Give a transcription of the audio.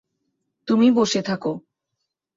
তুমি বসে থাকো।